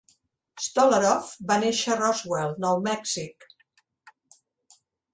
Stolaroff va néixer a Roswell, Nou Mèxic.